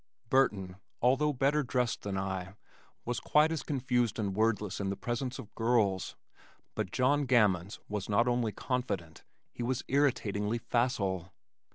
Burton, although better dressed than I, was quite as confused and wordless in the presence of girls, but John Gammons was not only confident, he was irritatingly facile.